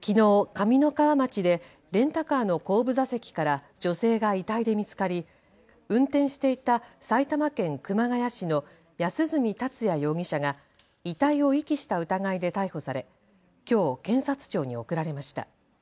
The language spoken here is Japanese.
上三川町でレンタカーの後部座席から女性が遺体で見つかり運転していた埼玉県熊谷市の安栖達也容疑者が遺体を遺棄した疑いで逮捕され、きょう検察庁に送られました。